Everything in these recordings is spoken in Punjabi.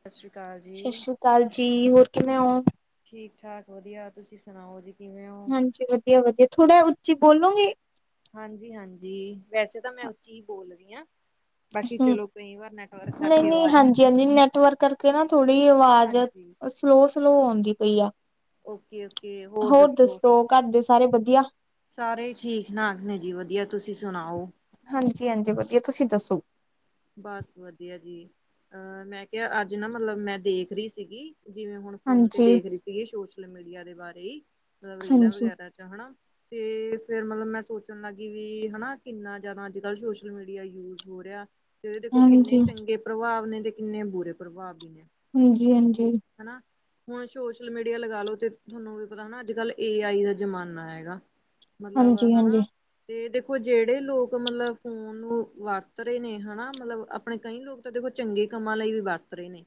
ਸਤਿ ਸ਼੍ਰੀ ਅਕਾਲ ਜੀ। ਕਾਲਜੀ, ਹੋਰ ਕਿਵੇਂ ਹੋ? ਠੀਕ- ਠਾਕ ਵਧੀਆ। ਤੁਸੀਂ ਸੁਣਾਓ ਜੀ? ਕਿਵੇਂ ਹੋ? ਹਾਂਜੀ, ਵਧੀਆ-ਵਧੀਆ, ਥੋੜਾ ਉੱਚੀ ਬੋਲੋਂਗੇ। ਹਾਂਜੀ-ਹਾਂਜੀ, ਵੈਸੇ ਤਾ, ਮੈਂ ਉੱਚੀ ਹੀ ਬੋਲ ਰਹੀ ਹਾਂ। ਬਾਕੀ ਹੂੰ, ਚਲੋ ਕਈ ਵਾਰ ਨੈਟਵਰਕ ਕਰਕੇ ਨਹੀਂ-ਨਹੀਂ, ਆਵਾਜ਼ ਹਾਂਜੀ-ਹਾਂਜੀ, ਨੈਟਵਰਕ ਕਰ ਕਿ ਨਾ ਥੋੜੀ ਅਵਾਜ਼, ਹਾਂਜੀ ਸਲੋ-ਸਲੋ ਆਂਊਦੀ ਪਈ ਆ। ਹੋਰ ਦੱਸੋ, ਘਰ ਦੇ ਸਾਰੇ ਵਧੀਆ? ਸਾਰੇ ਈ ਠੀਕ-ਠਾਕ ਨੇ ਜੀ, ਵਧੀਆ, ਤੁਸੀਂ ਸੁਣਾਓ? ਹਾਂਜੀ-ਹਾਂਜੀ ਵਧੀਆ, ਤੁਸੀਂ ਦੱਸੋ? ਬਸ ਵਧੀਆ ਜੀ ਅਹ, ਮੈਂ ਕਿਹਾ ਅੱਜ ਨਾ ਮਤਲਬ ਮੈਂ ਦੇਖ ਰਹੀ ਸੀਗੀ। ਜਿਵੇਂ ਹੁਣ ਫੋਨ ਤੇ ਹਾਂਜੀ ਦੇਖ ਰਹੀ ਸੀਗੀ, ਸੋਸ਼ਲ ਮੀਡੀਆ ਦੇ ਬਾਰੇ ਹੀ ਮਤਲਬ ਰੀਲਾਂ ਹਾਂਜੀ ਵਗੈਰਾ ਚ ਹਨਾ ਤੇ ਫੇਰ ਮਤਲਬ ਮੈਂ ਸੋਚਣ ਲੱਗੀ ਵੀ ਹਨਾ, ਕਿੰਨਾ ਜ਼ਿਆਦਾ ਅੱਜ ਕੱਲ੍ਹ ਸੋਸ਼ਲ ਮੀਡੀਆ ਯੂਜ ਹੋ ਰਿਹਾ। ਤੇਦੇ ਦੇਖੋ ਕਿੰਨੇ ਹਾਂਜੀ ਚੰਗੇ, ਪ੍ਰਭਾਵ ਨੇ ਤੇ ਕਿੰਨੇ ਬੁਰੇ ਪ੍ਰਭਾਵ ਵੀ ਨੇ ਹਾਂਜੀ, ਹਾਂਜੀ। ਹਨਾ, ਹੁਣ ਸੋਸ਼ਲ ਮੀਡੀਆ ਲਗਾ ਲਓ, ਤੇ ਤੁਹਾਨੂੰ ਇਹ ਪਤਾ ਨਾ ਅੱਜ-ਕੱਲ੍ਹ ਏ ਆਈ ਦਾ ਜ਼ਮਾਨਾ ਹੈਗਾ। ਮਤਲਬ ਹਾਂਜੀ ਹਾਂਜੀ ਹਨਾ ਤੇ ਦੇਖੋ ਜਿਹੜੇ ਲੋਕ ਮਤਲਬ ਫੋਨ ਨੂੰ ਵਰਤ ਰਹੇ ਨੇ ਹਨਾ, ਮਤਲਬ ਕਈ ਲੋਕ ਤਾਂ ਦੇਖੋ, ਚੰਗੇ ਕੰਮਾਂ ਲਈ ਵੀ ਵਰਤ ਰਹੇ ਨੇ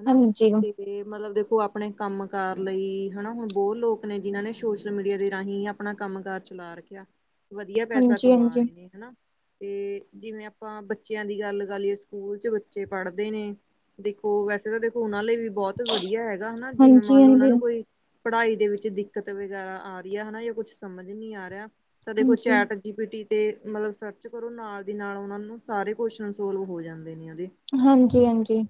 ਹਨਾ ਹਾਂਜੀ। ਤੇ ਮਤਲਬ ਦੇਖੋ, ਆਪਣੇ ਕੰਮ ਕਾਰ ਲਈ ਹਨਾ, ਹੁਣ ਬਹੁਤ ਲੋਕ ਨੇ ਜਿਨਾਂ ਨੇ ਸੋਸ਼ਲ ਮੀਡੀਆ ਦੇ ਰਾਹੀਂ ਆਪਣਾ ਕੰਮ ਕਾਰ ਚਲਾ ਰੱਖਿਆ, ਵਧੀਆ ਪੈਸਾ ਹਾਂਜੀ ਕਮਾ ਹਾਂਜੀ ਰਹੇ ਨੇ ਹਨਾ। ਤੇ ਜਿਵੇਂ ਆਪਾਂ ਬੱਚਿਆਂ ਦੀ ਗੱਲ ਕਰ ਲਈਏ, ਸਕੂਲ ਚ ਬੱਚੇ ਪੜ੍ਹਦੇ ਨੇ ਦੇਖੋ ਵੈਸੇ ਤਾਂ ਦੇਖੋ, ਉਹਨਾਂ ਲਈ ਵੀ ਬਹੁਤ ਵਧੀਆ ਹੈਗਾ, ਹਨਾ ਜਿਵੇਂ ਮੰਨ ਲਓ ਉਹਨਾਂ ਨੂੰ ਹਾਂਜੀ ਕੋਈ ਪੜ੍ਹਾਈ ਦੇ ਵਿੱਚ ਦਿੱਕਤ ਵਗੈਰਾ ਆ ਰਹੀ ਹੈ ਹਨਾ, ਜਾਂ ਕੁਛ ਸਮਝ ਨਹੀਂ ਆ ਰਿਹਾ ਤਾਂ ਦੇਖੋ ਹਾਂਜੀ ਚੈਟ ਡੀ ਪੀ ਟੀ ਤੇ ਮਤਲਬ ਸਰਚ ਕਰੋ, ਨਾਲ ਦੀ ਨਾਲ ਉਹਨਾਂ ਨੂੰ ਸਾਰੇ ਕੁਸ਼ਨ ਸੋਲਵ ਹੋ ਜਾਂਦੇ ਨੇ ਉਹਦੇ ਹਾਂਜੀ, ਹਾਂਜੀ।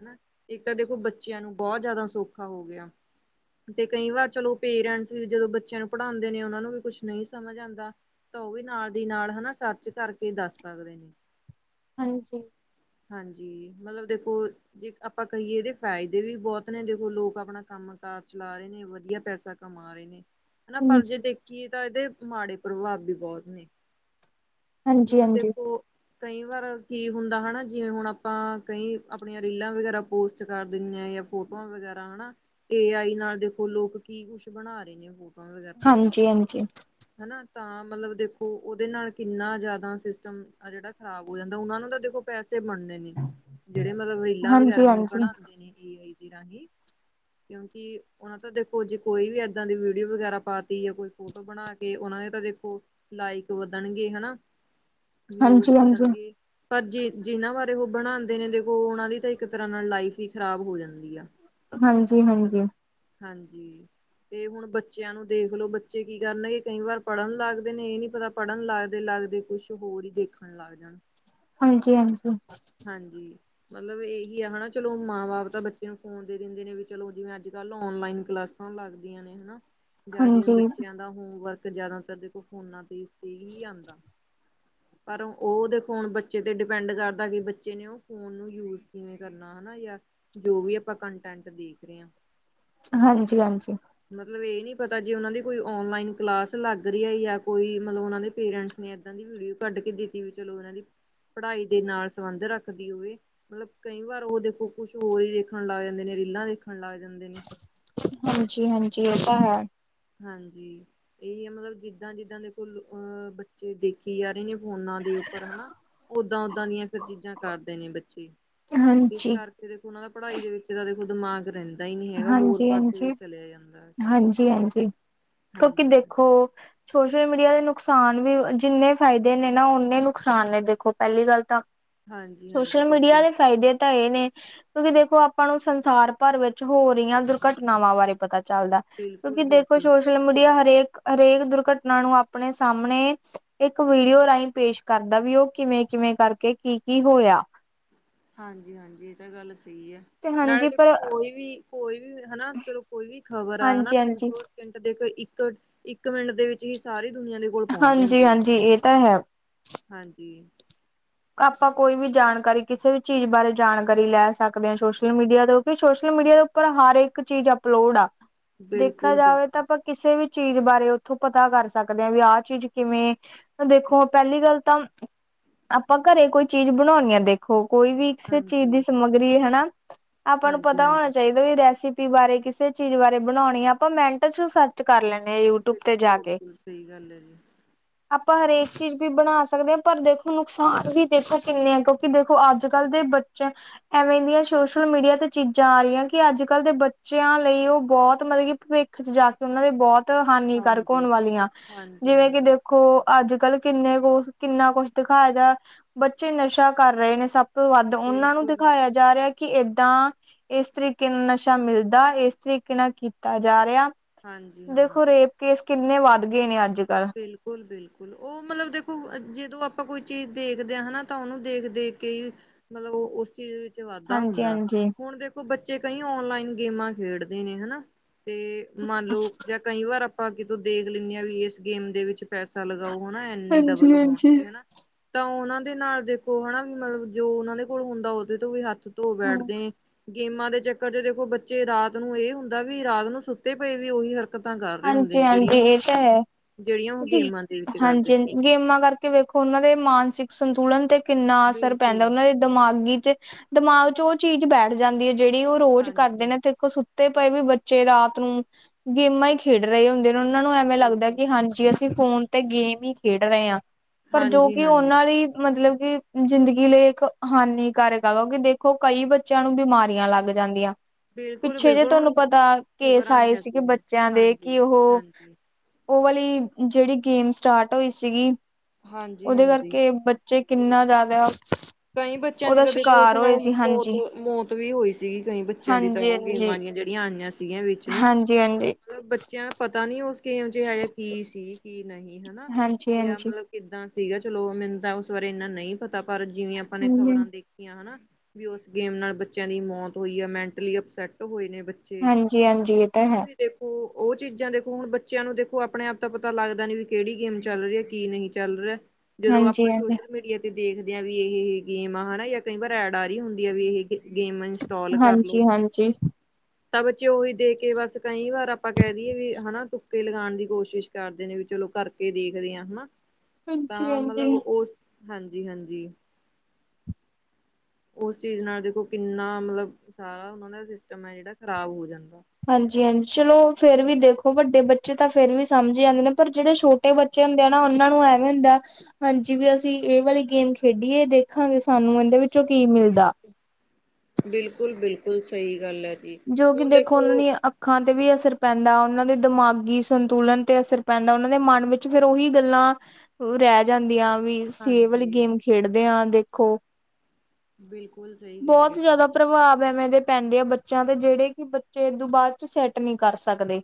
ਇੱਕ ਤਾਂ ਦੇਖੋ, ਬੱਚਿਆਂ ਨੂੰ ਬਹੁਤ ਜ਼ਿਆਦਾ ਸੌਖਾ ਹੋ ਗਿਆ। ਤੇ ਕਈ ਵਾਰ ਚਲੋ ਪੇਰੈਂਟਸ ਵੀ ਜਦੋਂ ਬੱਚਿਆਂ ਨੂੰ ਪੜ੍ਹਾਉਂਦੇ ਨੇ, ਉਹਨਾਂ ਨੂੰ ਵੀ ਕੁਛ ਨਹੀਂ ਸਮਝ ਆਉਂਦਾ। ਤਾਂ ਉਹ ਵੀ ਨਾਲ ਦੀ ਨਾਲ ਹਨਾ, ਸਰਚ ਕਰਕੇ ਦੱਸ ਸਕਦੇ ਨੇ ਹਾਂਜੀ। ਹਾਂਜੀ, ਮਤਲਬ ਦੇਖੋ? ਜੇ ਆਪਾਂ ਕਹੀਏ ਇਹਦੇ ਫਾਇਦੇ ਵੀ ਬਹੁਤ ਨੇ ਦੇਖੋ ਲੋਕ ਆਪਣਾ ਕੰਮ ਕਾਰ ਚਲਾ, ਰਹੇ ਨੇ ਵਧੀਆ ਪੈਸਾ ਕਮਾ ਹਾਏ ਨੀ ਪਰ ਹਾਂਜੀ ਜੇ ਦੇਖੀਏ, ਤਾਂ ਇਹਦੇ ਮਾੜੇ ਪ੍ਰਭਾਵ ਵੀ ਬਹੁਤ ਨੇ ਹਾਂਜੀ ਹਾਂਜੀ ਹੁਣ ਦੇਖੋ। ਕਈ ਵਾਰ ਕੀ ਹੁੰਦਾ ਹਨਾ, ਜਿਵੇਂ ਹੁਣ ਆਪਾਂ ਕਈ ਆਪਣੀਆਂ ਰੀਲਾਂ ਵਗੈਰਾ ਪੋਸਟ ਕਰ ਦਿੰਨਆਂ ਜਾਂ ਫੋਟੋਆਂ ਵਗੈਰਾ ਹਨਾ, ਏ ਆਈ ਨਾਲ ਦੇਖੋ ਲੋਕ ਕੀ ਕੁੱਛ ਬਣਾ ਰਹੇ ਨੇ ਫੋਟੋਆਂ ਵਗੈਰਾ ਦਾ ਹਾਂਜੀ, ਹਾਂਜੀ। ਹਨਾ ਤਾਂ ਮਤਲਬ ਦੇਖੋ, ਉਹਦੇ ਨਾਲ ਕਿੰਨਾ ਜ਼ਿਆਦਾ ਸਿਸਟਮ ਆ ਜਿਹੜਾ ਖ਼ਰਾਬ ਹੋ ਜਾਂਦਾ ਉਹਨਾ ਨੂੰ ਤਾਂ ਦੇਖੋ ਪੈਸੇ ਬਣੇ ਨੇ ਜਿਹੜੇ ਮਤਲਬ ਰੀਲਾਂ ਹਾਂਜੀ ਵਗੈਰਾ ਬਣਾਉਂਦੇ ਨੇ ਏ ਆਈ ਰਾਹੀਂ। [inaudible] ਕਿਉਂਕਿ ਉਹਨਾਂ ਤਾਂ ਦੇਖੋ ਜੇ ਕੋਈ ਵੀ ਏਦਾਂ ਦੀ ਵੀਡੀਓ, ਵਗੈਰਾ ਪਾ ਤ ਜਾਂ ਕੋਈ ਫੋਟੋ ਬਣਾ ਕੇ। ਕਿ ਉਹਨਾਂ ਦੇ ਤਾਂ ਦੇਖੋ ਲਾਇਕ ਵਧਣਗੇ ਹਨਾ, ਵਿਊਜ਼ ਹਾਂਜੀ ਹਾਂਜੀ ਵਧਣਗੇ। ਪਰ ਜੇ ਜਿਨਾਂ ਬਾਰੇ ਉਹ ਬਣਾਉਂਦੇ ਨੇ ਦੇਖੋ, ਉਹਨਾਂ ਦੀ ਤਾਂ ਇੱਕ ਤਰ੍ਹਾਂ ਨਾਲ ਲਾਈਫ ਹੀ ਖ਼ਰਾਬ ਹੋ ਜਾਂਦੀ ਆ। ਹਾਂਜੀ, ਹਾਂਜੀ। ਹਾਂਜੀ, ਤੇ ਹੁਣ ਬੱਚਿਆਂ ਨੂੰ ਦੇਖਲੋ ਬੱਚੇ ਕੀ ਕਰਨਗੇ, ਕਈ ਵਾਰ ਪੜ੍ਹਨ ਲੱਗਦੇ ਨੇ ਇਹ ਨੀ ਪਤਾ। ਪੜ੍ਹਨ ਲੱਗਦੇ ਲੱਗਦੇ ਕੁਛ ਹੋਰ ਹੀ ਦੇਖਣ ਲੱਗ ਜਾਣ ਹਾਂਜੀ ਹਾਂਜੀ ਹਾਂਜੀ ਮਤਲਬ ਇਹੀ ਹੈ ਹਨਾ, ਚਲੋ ਮਾਂ ਬਾਪ ਤਾਂ ਬੱਚੇ ਨੂੰ ਫੋਨ ਦੇ ਦਿੰਦੇ ਨੇ ਵੀ ਚਲੋ, ਜਿਵੇਂ ਅੱਜ-ਕੱਲ੍ਹ ਔਨਲਾਈਨ ਕਲਾਸ ਲੱਗਦੀਆਂ ਨੇ ਹਨਾ ਜਾਂ ਜਿਵੇਂ ਹਾਂਜੀ। ਬੱਚਿਆਂ ਦਾ ਹੋਮਵਰਕ ਜ਼ਿਆਦਾਤਰ ਦੇਖੋ, ਫੋਨਾਂ ਤੇ ਉੱਤੇ ਹੀ ਆਉਂਦਾ। ਪਰ ਉਹ ਦੇਖੋ, ਬੱਚੇ ਤੇ ਡਿਪੈਂਡ ਕਰ ਤਾਕਿ ਬੱਚੇ ਨੇ ਉਹ ਫੋਨ ਨੂੰ ਯੂਜ ਕਿਵੇਂ ਕਰਨਾ ਹਨਾ, ਜਾਂ ਜੋ ਵੀ ਆਪਾਂ ਕੰਟੈਂਟ ਦੇਖ ਰਹੇ ਹਾਂ। [unintelligible] ਹਾਂਜੀ, ਹਾਂਜੀ। ਮਤਲਬ ਇਹ ਨੀ ਪਤਾ ਜੇ ਉਹਨਾਂ ਦੀ ਕੋਈ ਔਨਲਾਈਨ ਕਲਾਸ ਲੱਗ ਰਹੀ ਹੈ, ਜਾਂ ਕੋਈ ਮਤਲਬ ਉਹ ਦੇ ਪੇਰੈਂਟਸ ਨੇ ਏਦਾਂ ਦੀ ਵੀਡੀਓ ਕੱਢ ਕੇ ਦਿੱਤੀ ਵੀ ਚਲੋ, ਉਹਨਾਂ ਦੀ ਪੜ੍ਹਾਈ ਦੇ ਨਾਲ ਸੰਬੰਧ ਰੱਖਦੀ ਹੋਵੇ। ਮਤਲਬ ਕਈ ਵਾਰ ਉਹ ਦੇਖੋ ਕੁਛ ਹੋਰ ਹੀ ਦੇਖਣ ਲੱਗ ਜਾਂਦੇ ਨੇ ਰੀਲਾਂ ਦੇਖਣ ਲੱਗ ਜਾਂਦੇ ਨੇ ਹਾਂਜੀ ਹਾਂਜੀ ਇਹ ਤਾਂ ਹੈ ਹਾਂਜੀ ਇਹੀ ਹੈ ਮਤਲਬ ਜਿੱਦਾਂ ਜਿੱਦਾਂ ਦੇ ਕੋਲ ਅਹ ਬੱਚੇ ਦੇਖੀ ਜਾ ਰਹੇ ਨੇ ਫੋਨਾਂ ਦੇ ਉੱਪਰ ਹਨਾ ਓਦਾਂ ਓਦਾਂ ਦੀਆਂ ਫਿਰ ਚੀਜ਼ਾਂ ਕਰਦੇ ਨੇ ਬੱਚੇ ਇਸ ਹਾਂਜੀ। ਕਰਕੇ ਦੇਖੋ ਉਹਨਾਂ ਦਾ ਪੜ੍ਹਾਈ ਦੇ ਵਿੱਚ ਤਾਂ ਦੇਖੋ ਦਿਮਾਗ ਰਹਿੰਦਾ ਏਦਾਂ ਹੀ ਨਹੀਂੀ ਹੈਗਾ ਹੋਰ ਪਾਸੇ ਚਲਿਆ ਜਾਂਦਾ ਹਾਂਜੀ ਹਾਂਜੀ ਕਿਉਂਕਿ ਹਾਂਜੀ, ਦੇਖੋ ਸੋਸ਼ਲ ਮੀਡੀਆ ਦੇ ਨੁਕਸਾਨ ਵੀ ਜਿੰਨੇ ਫ਼ਾਇਦੇ ਨੇ ਨਾ ਨੇ ਨੁਕਸਾਨ ਨੇ ਦੇਖੋ ਪਹਿਲੀ ਗੱਲ ਤਾਂ ਹਾਂਜੀ, ਹਾਂਜੀ ਸੋਸ਼ਲ ਮੀਡੀਆ ਬਿਲਕੁਲ, ਦੇ ਫਾਇਦੇ ਤਾਂ ਇਹ ਨੇ ਕਿਉਂਕਿ ਦੇਖੋ ਆਪਾਂ ਨੂੰ ਸੰਸਾਰ ਭਰ ਵਿੱਚ ਹੋ ਰਹੀਆਂ ਦੁਰਘਟਨਾਵਾਂ ਬਾਰੇ ਪਤਾ ਚੱਲਦਾ ਬਿਲਕੁਲ, ਕਿਉਂਕਿ ਦੇਖੋ ਬਿਲਕੁਲ ਸ਼ੋਸ਼ ਸੋਸ਼ਲ ਮੀਡੀਆ ਹਰੇਕ ਹਰੇਕ ਦੁਰਘਟਨਾ ਨੂੰ ਆਪਣੇ ਸਾਹਮਣੇ ਇੱਕ ਵੀਡੀਓ ਰਾਹੀਂ ਪੇਸ਼ ਕਰਦਾ ਵੀ ਉਹ ਕਿਵੇਂ ਕਿਵੇਂ ਕਰਕੇ ਕੀ ਕੀ ਹੋਇਆ ਹਾਂਜੀ ਹਾਂਜੀ ਇਹ ਤਾਂ ਗੱਲ ਸਹੀ ਹੈ ਤੇ ਨਾਲੇ ਹਾਂਜੀ ਦੇਖੋ ਪਰ ਕੋਈ ਵੀ ਕੋਈ ਵੀ ਹਨਾ ਚਲੋ ਕੋਈ ਵੀ ਖ਼ਬਰ ਆ ਹਨਾ ਹਾਂਜੀ ਹਾਂਜੀ ਮੀਟੋ ਸਕਿੰਟ ਦੇ ਇੱਕ ਇੱਕ ਮਿੰਟ ਦੇ ਵਿੱਚ ਹੀ ਸਾਰੀ ਦੁਨੀਆਂ ਦੇ ਕੋਲ ਪਹੁੰਚ ਹਾਂਜੀ ਜਾਂਦੀ ਹੈ। ਹਾਂਜੀ ਇਹ ਤਾਂ ਹੈ ਹਾਂਜੀ ਆਪਾਂ ਕੋਈ ਵੀ ਜਾਣਕਾਰੀ ਕਿਸੇ ਵੀ ਚੀਜ਼ ਬਾਰੇ ਜਾਣਕਾਰੀ ਲੈ ਸਕਦੇ ਹਾਂ ਸੋਸ਼ਲ ਮੀਡੀਆ ਤੋਂ ਕਿ ਸੋਸ਼ਲ ਮੀਡੀਆ ਤੋਂ ਉੱਰ ਹਰ ਇੱਕ ਚੀਜ਼ ਅਪਲੋਡ ਆ ਦੇਖਿਆ ਬਿਲਕੁਲ, ਜਾਵੇ ਬਿਲਕੁਲ ਤਾਂਾਂ ਕਿਸੇ ਵੀ ਚੀਜ਼ ਬਾਰੇ ਉੱਥੋਂ ਪਤਾ ਕਰ ਸਕਦੇ ਆ ਵੀ ਆਹ ਚੀਜ਼ ਕਿਵੇਂ ਦੇਖੋ ਪਹਿਲੀ ਗੱਲ ਤਾਂ ਆਪਾਂ ਘਰੇ ਕੋਈ ਚੀਜ਼ ਬਣਾਉਣੀ ਆ ਦੇਖੋ ਕੋਈ ਵੀ ਕਿਸੇ ਚੀਜ਼ ਦੀ ਹਾਂਜੀ, ਸਮੱਗਰੀ ਹਨਾ ਆਪਾਂ ਨੂੰ ਹਾਂਜੀ, ਪਤਾ ਹੋਣਾ ਹਾਂਜੀ ਚਾਹੀਦਾ ਲ ਵੀ ਰੈਸਪੀ ਬਾਰੇ ਕਿਸੇ ਚੀਜ਼ ਬਾਰੇ ਬਣਾਉਣੀ ਆ ਆਪਾਂ ਮਿੰਟ ਚ ਸਰਚ ਕਰ ਲੈਂਣੇ ਯੂਟਿਊਬ ਤੇ ਬਿਲਕੁਲ, ਜਾ ਕੇ ਬਿਲਕੁਲ ਸਹੀ ਗੱਲ ਹੈ ਜੀ। ਆਪਾਂ ਹਰੇਕ ਚੀਜ਼ ਵੀ ਬਣਾ ਸਕਦੇ ਹਾਂ ਪਰ ਦੇਖੋ ਨੁਕਸਾਨ ਵੀ ਦੇਖੋ ਕਿੰਨੇ ਆ ਕਿਉਂਕਿ ਦੇਖੋ ਅੱਜ ਕੱਲ੍ਹ ਦੇ ਬੱਚੇ ਐਵੇਂ ਦੀਆਂ ਸੋਸ਼ਲ ਮੀਡੀਆ ਤੇ ਚੀਜ਼ਾਂ ਆ ਰਹੀਆਂ ਕਿ ਅੱਜ ਕੱਲ੍ਹ ਦੇ ਬੱਚਿਆਂ ਲਈ ਉਹ ਬਹੁਤ ਮਤਲਬ ਕਿ ਭਵਿੱਖ ਪੱਖ ਚ ਜਾ ਕੇ ਉਹਨਾਂ ਦੇ ਬਹੁਤ ਹਾਨੀਕਾਰਕ ਹੋਣ ਹਾਂਜੀ, ਵਾਲੀਆਂ, ਹਾਂਜੀ, ਜਿਵੇਂ ਕਿ ਹਾਂਜੀ ਦੇਖੋ ਅੱਜ ਕੱਲ ਕਿੰਨੇ ਕੁ ਕਿੰਨਾ ਕੁਛ ਦਿਖਾਇਆਂ ਜਾ, ਬੱਚੇ ਨਸ਼ਾ ਕਰ ਰਹੇ ਨੇ ਸਭ ਤੋਂ ਵੱਧ ਉਹਨਾਂ ਨੂੰ ਬਿਲਕੁਲ ਦਿਖਾਇਆ ਜਾ ਰਿਹਾ ਕਿ ਏਦਾਂ ਇਸ ਤਰੀਕੇ ਨਾਲ ਨਸ਼ਾ ਮਿਲਦਾ, ਇਸ ਤਰੀਕੇ ਨਾਲ ਕੀਤਾ ਜਾ ਰਿਹਾ। ਹਾਂਜੀ ਹਾਂ। ਦੇਖੋ, ਰੇਪ ਕੇਸ ਕਿੰਨੇ ਵੱਧ ਗਏ ਨੇ ਅੱਜ ਕੱਲ। ਬਿਲਕੁਲ ਬਿਲਕੁਲ, ਉਹ ਮਤਲਬ ਦੇਖੋ ਜਦੋਂ ਆਪਾਂ ਕੋਈ ਚੀਜ਼ ਦੇਖਦੇ ਹਾਂ ਹਨਾ ਤਾਂ ਉਹਨੂੰ ਦੇਖ ਦੇਖ ਕੇ ਹੀ ਮਤਲਬ ਉਹ ਉਸ ਚੀਜ਼ ਵਾਧਾ ਹਾਂਜੀ ਹੁੰਦਾ, ਹਾਂਜੀ ਹੁਣ ਦੇਖੋ ਬੱਚੇ ਕਈ ਓਨਲਾਈਨ ਗੇਮਾਂ ਖੇਡਦੇ ਨੇ ‌‌‍‌‌ਹਨਾ‌। ਤੇ ਮੰਨ ਲਓ ਜਾਂ ਕਈ ਵਾਰ ਆਪਾਂ ਕਿਤੋਂ ਦੇਖ ਲੈਂਦੇ ਆ ਵੀ, ਇਸ ਗੇਮ ਦੇ ਵਿੱਚ ਪੈਸਾ ਲਗਾਓ, ਹਨਾ ਇੰਨੇ ਡਬਲ ਹੋਣ ਹਾਂਜੀ-ਹਾਂਜੀ। ਤੇ ਹਨਾ। ਤਾਂ ਉਹਨਾਂ ਦੇ ਨਾਲ ਦੇਖੋ ਹਨਾ ਵੀ ਮਤਲਬ ਜੋ ਉਹਨਾਂ ਦੇ ਕੋਲ ਹੁੰਦਾ, ਉਹਦੇ ਤੋਂ ਵੀ ਹੱਥ ਧੋ ਹਾਂ, ਬੈਠਦੇ। ਗੇਮਾਂ ਦੇ ਚੱਕਰ ਚ ਦੇਖੋ ਬੱਚੇ ਰਾਤ ਨੂੰ ਇਹ ਹੁੰਦਾ ਵੀ, ਰਾਤ ਨੂੰ ਸੁੱਤੇ ਪਏ ਵੀ ਉਹੀ ਹਰ ਹਾਂਜੀ ਹਾਂਜੀ, ਇਹ ਤਾਂ ਹੈ ਜਿਹੜੀਆਂ ਉਹ ਕਿਉਂਕਿ ਗੇਮਾਂ ਦੇ ਵਿੱਚ ਕਰਦੇ। ਹਾਂਜੀ ਜੀ। ਗੇਮਾਂ ਕਰਕੇ ਵੇਖੋ ਉਹਨਾਂ ਦੇ ਮਾਨਸਿਕ ਸੰਤੁਲਨ ਤੇ ਕਿੰਨਾ ਅਸਰ ਬਿਲਕੁਲ ਪੈਂਦਾ, ਉਹਨਾਂ ਦੇ ਦਿਮਾਗੀ ਚ ਦਿਮਾਗ ਚ ਉਹ ਚੀਜ਼ ਬੈਠ ਜਾਂਦੀ ਹੈ ਜਿਹੜੀ ਉਹ ਰੋਜ਼ ਕਰਦੇ ਹਾਂਜੀ। ਨੇ ਤੇ ਇੱਕ ਤੇ ਪਏ ਵੀ ਬੱਚੇ ਰਾਤ ਨੂੰ ਗੇਮਾਂ ਹੀ ਖੇਡ ਰਹੇ ਹੁੰਦੇ ਨੇ ਉਹਨਾਂ ਨੂੰ ਐਵੇਂ ਲੱਗਦਾ ਬਿਲਕੁਲ ਕਿ ਹਾਂਜੀ ਅਸੀਂ ਫੋਨ ਤੇ ਗੇਮ ਹੀ ਖੇਡ ਰਹੇ ਹਾਂ ਪਰ ਜੋ ਕਿ ਹਾਂਜੀ-ਹਾਂਜੀ ਉਹਨਾਂ ਲਈ ਮਤਲਬ ਕਿ ਜ਼ਿੰਦਗੀ ਲਈ ਇੱਕ ਹਾਨੀਕਾਰਕ ਆ ਕਿਉਂਕਿ ਦੇਖੋ ਕਈ ਬੱਚਿਆਂ ਨੂੰ ਬਿਮਾਰੀਆਂ ਲੱਗ ਜਾਂਦੀਆਂ ਪਿੱਛੇ ਜੇ ਬਿਲਕੁਲ-ਬਿਲਕੁਲ ਤੁਹਾਨੂੰ ਹੁਣ ਪਤਾ ਕੇਸ ਖ਼ਬਰਾਂ ਆਏ ਆਈਆਂ ਸੀਗੇ ਸੀਗੀਆਂ। ਬੱਚਿਆਂ ਦੇ ਕਿ ਉਹ ਹਾਂਜੀ-ਹਾਂਜੀ। ਉਹ ਵਾਲੀ ਜਿਹੜੀ ਗੇਮ ਸਟਾਰਟ ਹੋਈ ਸੀਗੀ ਉਹਦੇ ਹਾਂਜੀ-ਹਾਂਜੀ ਕਰਕੇ ਬੱਚੇ ਕਿੰਨਾ ਜ਼ਿਆਦਾ ਕਈ ਬੱਚਿਆਂ ਦੀ ਉਹਦਾ ਤਾਂ ਦੇਖੋ, ਉਸ ਸ਼ਿਕਾਰ ਹੋਏ ਨਾਲ ਸੀ ਮੌਤ ਹਾਂਜੀ ਮੌਤ ਵੀ ਹੋਈ ਸੀਗੀ ਕਈ ਬੱਚਿਆਂ ਦੀ ਤਾਂ ਹਾਂਜੀ ਉਹ ਹਾਂਜੀ ਗੇਮਾਂ ਦੀਆਂ ਜਿਹੜੀਆਂ ਆਈਆਂ ਸੀਗੀਆਂ ਵਿਚ ਨੂੰ। ਹਾਂਜੀ ਹਾਂਜੀ ਮਤਲਬ ਬੱਚਿਆਂ ਪਤਾ ਨੀ ਉਸ ਗੇਮ ਚ ਐਹਾ ਜਾ ਕੀ ਸੀ ਕੀ ਨਹੀਂ ਹਨਾ, ਹਾਂਜੀ ਇਹ ਐ ਮਤਲਬ ਕਿੱਦਾਂ ਸੀਗਾ ਚਲੋਂ ਮੈਨੂੰ ਤਾਂ ਉਸ ਬਾਰੇ ਇੰਨਾ ਨਹੀਂ ਪਤਾ, ਪਰ ਜਿਵੇਂ ਆਪਾਂ ਨੇ ਖ਼ਬਰਾਂ ਹਾਂਜੀ ਦੇ ਖਿਆ ਹੈਨਾ ਵੀ ਉਸ ਗੇਮ ਨਾਲ ਬੱਚਿਆਂ ਦੀ ਮੌਤ ਹੋਈ ਆ, ਮੈਂਟਲੀ ਅਪਸੈਟ ਹੋਏ ਨੇ ਬੱ ਹਾਂਜੀ ਹਾਂਜੀ ਇਹ ਤਾਂ ਹੈ। ਦੇਖੋ ਉਹ ਚੀਜ਼ਾਂ ਦੇਖੋ, ਹੁਣ ਬੱਚਿਆਂ ਨੂੰ ਦੇਖੋ ਆਪਣੇ ਆਪ ਤਾਂ ਪਤਾ ਲੱਗਦਾ ਨੀ ਵੀ ਕਿਹੜੀ ਗੇਮ ਚੱਲ ਰਹੀ ਐ ਕੀ ਨਹੀਂ ਚੱਲ ਰਿਹਾ। ਜਦੋਂ ਆਪਾਂ ਹਾਂਜੀ ਹਾਂਜੀ ਸੋਸ਼ਲ ਮੀਡੀਆ ਤੇ ਦੇਖਦੇ ਆ, ਵੀ ਇਹ ਗੇਮ ਆ ਹਨਾ ਜਾਂ ਕਈ ਵਾਰ ਐਡ ਆ ਰਹੀ ਹੁੰਦੀ ਆ ਵੀ ਇਹ ਗੇਮ ਇੰਨਸਟੋਲ ਹਾਂਜੀ ਕਰਲੋ। ਹਾਂਜੀ ਤਾਂ ਬੱਚੇ ਉਹੀ ਦੇਖ ਕੇ ਬਸ ਕਈ ਵਾਰ ਆਪਾਂ ਕਹਿ ਦਈਏ ਵੀ ਹਨਾ ਤੁੱਕੇ ਲਗਾਉਣ ਦੀ ਕੋਸ਼ਿਸ਼ਂ ਕਰਦੇ ਨੇ ਵੀ ਚਲੋਂ ਕਰਕੇ ਦੇਖਦੇ ਆ ਹਨਾ। ਹਾਂਜੀ ਤਾਂ ਹਾਂਜੀ ਮਤਲਬ ਉਸ ਹਾਂਜੀ ਹਾਂਜੀ। ਉਸ ਚੀਜ਼ ਨਾਲ ਦੇਖੋ, ਕਿੰਨਾ ਮਤਲਬ ਸਾਰਾ ਉਹਨਾਂ ਦਾ ਸਿਸਟਮ ਐ ਜਿਹੜਾ ਖ਼ਰਾਬ ਹੋ ਜਾਂਦਾ। ਹਾਂਜੀ ਹਾਂਜੀ ਚਲੋਂ ਫੇਰ ਵੀ ਦੇਖੋ ਵੱਡੇ ਬੱਚੇ ਤਾਂ ਫੇਰ ਵੀ ਸਮਝ ਹੀ ਜਾਂਦੇ ਨੇ, ਪਰ ਜਿਹੜੇ ਛੋ ਟੇ ਬੱਚੇ ਹੁੰਦੇ ਆ ਨਾ, ਉਹਨਾਂ ਨੂੰ ਐਵੇਂ ਹੁੰਦੈ ਹਾਂਜੀ, ਵੀ ਅਸੀਂ ਇਹ ਵਾਲੀ ਗੇਮ ਖੇਡੀਏ ਦੇਖਾਂਗੇ ਸਾਨੂੰ ਇਹਦੇ ਵਿੱਚ ਬਿਲਕੁਲ ਬਿਲਕੁਲ ਬਿਲਕੁਲ, ਸਹੀ ਗੱਲ ਐ ਜੀ ਜੋ ਕਿ ਹੁਣ ਦੇਖੋ ਉਹਨਾਂ ਦੀਆਂ ਅੱਖਾਂ ਤੇ ਵੀ ਅਸਰ ਪੈਂਦਾ, ਉਹਨਾਂ ਦੇ ਦਿਮਾਗੀ ਸੰਤੁਲਨ ਤੇ ਅਸਰ ਪੈਂਦਾ, ਉਹਨਾਂ ਦੇ ਮਨ ਵਿੱਚ ਫਿਰ ਉਹੀ ਗੱਲਾਂ ਉ ਰਹਿ ਜਾਂਦੀਆਂ ਵੀ, ਅਸੀਂ ਇਹ ਵਾਲੀ ਹਾਂਜੀ ਗੇਮ ਖੇਡਦੇ ਹਾਂ ਦੇਖੋ। ਬਿਲਕੁਲ ਸਹੀ ਕਹਿ ਬਹੁਤ ਰਹੇ ਹੋ ਜ਼ਿਆਦਾ ਪ੍ਰਭਾਵ ਐਵੇਂ ਦੇ ਪੈਂਦੀ ਆ ਬੱਚਿਆਂ ਤੇ, ਜਿਹੜੇ ਕਿ ਬੱਚੇ ਏਦੋਂ ਬਾਅਦ ਚ ਸੈੱਟ ਨਹੀਂ ਕਰ ਸਕਦੇ।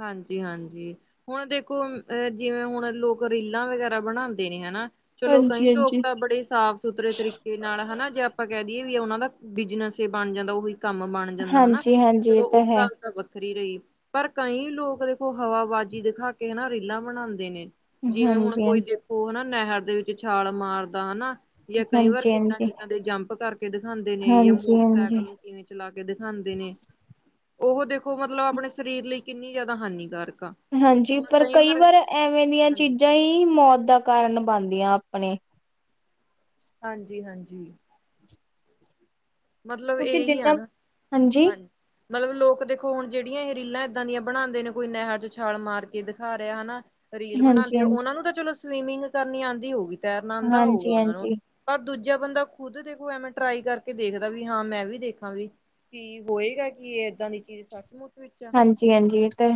ਹਾਂਜੀ ਹਾਂਜੀ। ਹੁਣ ਦੇਖੋ ਅਹ, ਜਿਵੇਂ ਹੁਣ ਲੋਕ ਰੀਲਾਂ ਵਗੈਰਾ ਬਣਾਂਦੇ ਨੇ ਹਨਾ। ਚਲੋਂ ਕਈ ਲੋਕ ਹਾਂਜੀ-ਹਾਂਜੀ। ਤਾਂ ਬੜੇ ਸਾਫ਼ ਸੁਥਰੇ ਤਰੀਕੇ ਤੇ ਨਾਲ ਹਨਾ ਜੇ ਆਪਾਂ ਕਹਿ ਦਈਏ ਵੀ ਉਹਨਾਂ ਦਾ ਬਿਜਨਸ ਹੀ ਬਣ ਜਾਂਦਾ ਉਹੀ ਕੰਮ ਬਣ ਜਾਂਦਾ ਹਨਾ, ਹਾਂਜੀ-ਹਾਂਜੀ ਇਹ ਚਲੋਂ ਉਹ ਹੈ। ਗੱਲ ਤਾਂ ਵੱਖਰੀ ਰਹੀ। ਪਰ ਕਈ ਲੋਕ ਦੇਖੋ ਹਵਾਬਾਜ਼ੀ ਦਿਖਾ ਕੇ, ਹਨਾ ਰੀਲਾਂ ਬਣਾਂਦੇ ਨੇ ਜਿਵੇਂ ਹੁਣ ਹਾਂਜੀ ਕੋਈ ਦੇ ਓਹ ਹਨਾ, ਨਹਿਰ ਦੇ ਵਿੱਚ ਛਾਲ ਮਾਰਦਾ ਹਨਾ। ਜਾਂ, ਕਈ ਵਾਰ ਹਾਂਜੀ ਕਿੱਦਾਂ ਹਾਂਜੀ ਕਿੱਦਾਂ ਦੇ ਜੰਪ ਕਰਕੇ ਦਿਖਾਂਦੇ ਨੇ, ਜਾਂ ਹਾਂਜੀ ਹਾਂਜੀ ਮੋਟਰਸਾਈਕਲ ਨੂੰ ਕਿਵੇਂ ਚਲਾ ਕੇ ਦਿਖਾਂਦੇ ਨੇ, ਉਹ ਦੇਖੋ ਮਤਲਬ ਆਪਣੇ ਸਰੀਰ ਲਈ ਕਿੰਨੀ ਜ਼ਿਆਦਾ ਹਾਨੀਕਾਰਕ ਆ। ਹਾਂਜੀ ਪਰ ਕਈ ਵਾਰ ਐਵੇਂ ਦੀਆਂ ਹਾਂਜੀ ਚੀਜ਼ਾਂ ਈ ਮੌਤ ਦਾ ਕਾਰਨ ਬਣਦੀਆਂ ਆਪਣੇ ਹਾਂਜੀ ਹਾਂਜੀ ਮਤਲਬ ਕਿਉਂਕਿ ਇਹੀ ਆ ਜਿੰਨਾ ਨਾ ਹਾਂਜੀ ਮਤਲਬ ਲੋਕ ਦੇਖੋ ਹੁਣ ਜਿਹੜੀਆਂ ਇਹ ਰੀਲਾਂ ਇੱਦਾਂ ਦੀਆਂ ਬਣਾਉਂਦੇ ਨੇ ਕੋਈ ਨਹਿਰ ਚ ਛਾਲ ਮਾਰ ਕੇ ਦਿਖਾ ਰਿਹਾ ਹਨਾ ਰੀਲ ਹਾਂਜੀ ਬਣਾਉਂਦੇ ਹੋ ਹਾਂਜੀ ਉਹਨਾਂ ਨੂੰ ਤਾਂ ਚਲੋ ਸਵੀਮਿੰਗ ਕਰਨੀ ਆਉਂਦੀ ਹੋਊਗੀ ਤੈਰਨਾ ਆਉਂਦਾ ਹੋਊਗਾ ਹਾਂਜੀ ਉਹਨਾਂ ਨੂੰ ਹਾਂਜੀ ਪਰ ਦੂਜਾ ਬੰਦਾ ਖੁਦ ਦੇਖੋ ਐਵੇਂ ਟਰਾਈ ਕਰਕੇ ਦੇਖਦਾ ਵੀ ਹਾਂ ਮੈਂ ਵੀ ਦੇਖਾਂ ਵੀ ਕੀ ਹੋਏਗਾ ਕਿ ਏਦਾਂ ਦੀ ਚੀਜ਼ ਸੱਚਮੁੱਚ ਵਿੱਚ ਆ ਹਾਂਜੀ ਹਾਂਜੀ ਤੇ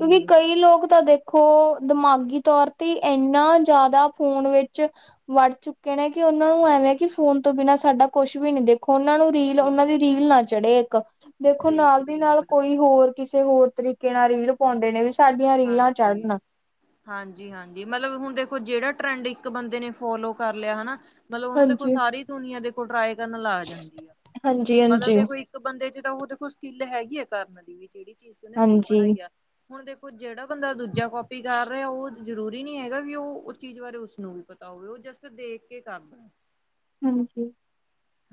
ਕਿਉਂਕਿ ਕਈ ਲੋਕ ਤਾਂ ਦੇਖ ਖੋ ਦਿਮਾਗੀ ਤੌਰ ਤੇ ਇਨਾ ਜ਼ਿਆਦਾ ਫੋਨ ਵਿੱਚ ਵੜ ਚੁੱਕੇ ਨੇ, ਕਿ ਉਹਨਾਂ ਨੂੰ ਐਵੇਂ ਕਿ ਫੋਨ ਤੋਂ ਬਿਨਾਂ ਸਾਡਾ ਕੁਛ ਵੀ ਨੀ ਦੇਖੋਂ, ਉਹਨਾਂ ਨੂੰ ਰੀਲ ਉਹਨਾਂ ਦੀ ਰੀਲ ਨਾ ਚੜੇ ਇੱਕ, ਦੇਖੋ ਨਾਲ ਬਿਲਕੁਲ ਦੀ ਨਾਲ ਬਿਲਕੁਲ ਕੋਈ ਹੋਰ ਕਿਸੇ ਹੋਰ ਤਰੀਕੇ ਨਾਲ ਰੀਲ ਪਾਉਂਦੇ ਨੇ ਵੀ ਸਾਡੀਆਂ ਰੀਲਾਂ ਹਾਂਜੀ ਚੜ੍ਹਨ ਹਾਂਜੀ ਹਾਂਜੀ ਮਤਲਬ ਹੁਣ ਦੇਖੋ ਜਿਹੜਾ ਟਰੈਂਡ ਇੱਕ ਬੰਦੇ ਨੇ ਫੋਲੋ ਕਰ ਲਿਆ ਹਨਾ ਮਤਲਬ ਉਹਨੂੰ ਦੇਖੋ ਹਾਂਜੀ। ਸਾਰੀ ਦੁਨੀਆਂ ਦੇਖੋ ਟਰਾਈ ਕਰਨ ਲੱਗ ਜਾਂਦੀ ਆ ਮਤਲਬ ਹਾਂਜੀ-ਹਾਂਜੀ, ਦੇਖੋ ਇਕ ਬੰਦੇ ਚ ਤਾਂ ਉਹ ਦੇਖੋ ਸਕਿੱਲ ਹੈਗੀ ਹੈ ਕਰਨ ਦੀ ਵੀ ਜਿਹੜੀ ਚੀਜ਼ ਤੇ ਉਹਨੇ ਰੀਲ ਹਾਂਜੀ। ਬਣਾਈ ਆ ਹੁਣ ਦੇਖੋ ਹੁਣ ਜਿਹੜਾ ਬੰਦਾ ਦੂਜਾ ਕੋਪੀ ਕਰ ਰਿਹਾ ਉਹ ਜ਼ਰੂਰੀ ਨੀ ਹੈਗਾ ਵੀ ਉਹ ਚੀਜ਼ ਬਾਰੇ ਉਸਨੂੰ ਵੀ ਪਤਾ ਹੋਵੇ ਉਹ ਜਸਟ ਦੇਖ ਕੇ ਕਰਦਾ ਹਾਂਜੀ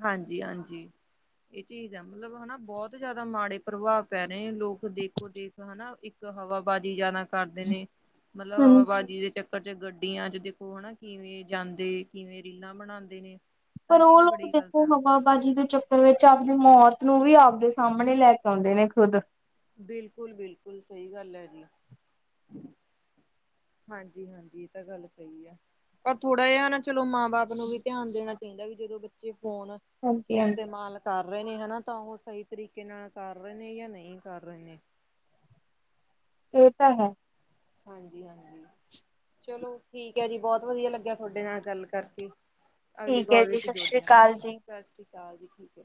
ਹਾਂਜੀ ਹਾਂਜੀ ਇਹ ਚੀਜ਼ ਹੈ ਮਤਲਬ ਹਨਾ ਬਹੁਤ ਜ਼ਿਆਦਾ ਮਾੜੇ ਪ੍ਰਭਾਵ ਪੈ ਰਹੇ ਨੇ ਲੋਕ ਦੇਖੋ ਦੇਖ ਹਨਾ ਇੱਕ ਹਵਾਬਾਜ਼ੀ ਜਿਆਦਾ ਕਰਦੇ ਨੇ ਮਤਲਬ ਹਾਂਜੀ-ਹਾਂਜੀ। ਹਵਾਬਾਜ਼ੀ ਦੇ ਚੱਕਰ ਬੱਚੇ ਗੱਡੀਆਂ ਚ ਦੇਖੋ ਹਨਾ ਕਿਵੇਂ ਜਾਂਦੇ ਕਿਵੇਂ ਰੀਲਾਂ ਬਣਾਉਂਦੇ ਨੇ। ਤਾਂ ਪਰ ਇਹ ਉਹ ਚੀਜ਼ ਲੋਕ ਬੜੀ ਗ਼ਲਤ ਦੇਖੋ ਆ ਹਨਾਂ ਹਵਾ ਬਾਜੀ ਦੇ ਚੱਕਰ ਵਿੱਚ ਆਪਦੀ ਮੌਤ ਨੂੰ ਵੀ ਆਪਦੇ ਸਾਹਮਣੇ ਲੈ ਕੇ ਆਉਂਦੇ ਨੇ ਖੁਦ। ਬਿਲਕੁਲ ਬਿਲਕੁਲ ਸਹੀ ਗੱਲ ਹੈ ਅ ਜੀ ਹਾਂਜੀ ਹਾਂਜੀ ਇਹ ਤਾਂ ਗੱਲ ਸਹੀ ਆ ਪਰ ਥੋੜ੍ਹਾ ਜਿਹਾ ਨਾ ਚਲੋ ਮਾਂ ਬਾਪ ਨੂੰ ਵੀ ਧਿਆਨ ਦੇਣਾ ਚਾਹੀਦਾ ਵੀ ਜਦੋਂ ਬੱਚੇ ਫੋਨ ਹਾਂਜੀ-ਹਾਂਜੀ। ਇਸਤੇਮਾਲ ਕਰ ਰਹੇ ਨੇ ਹਨਾ ਤਾਂ ਉਹ ਸਹੀ ਤਰੀਕੇ ਨਾਲ ਕਰ ਰਹੇ ਨੇ ਜਾਂ ਨਹੀਂ ਕਰ ਰਹੇ ਨੇ ਇਹ ਤਾਂ ਹੈ। ਹਾਂਜੀ ਹਾਂਜੀ ਚਲੋ ਠੀਕ ਹੈ ਜੀ ਬਹੁਤ ਵਧੀਆ ਲੱਗਿਆ ਤੁਹਾਡੇ ਨਾਲ ਗੱਲ ਕਰਕੇ ਅਗਲੀ ਠੀਕ ਹੈ ਕਾਲ ਜੀ, ਵਿੱਚ ਸਤਿ ਸ੍ਰੀ ਜੋੁੜਦੇ ਹਾਂ ਅਕਾਲ ਜੀ। ਸਤਿ ਸ਼੍ਰੀ ਅਕਾਲ ਜੀ ਠੀਕ ਹੈ।